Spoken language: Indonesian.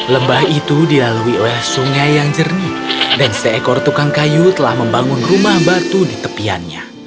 lembah itu dilalui oleh sungai yang jernih dan seekor tukang kayu telah membangun rumah batu di tepiannya